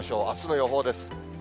あすの予報です。